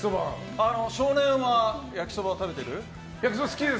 少年は、焼きそば食べてる？